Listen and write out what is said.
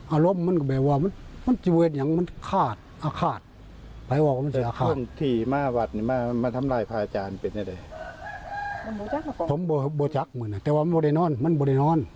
อารมณ์มันก็แบบว่ามันเจริญอย่างมันฆาตอาฆาตแปลว่ามันจะฆาต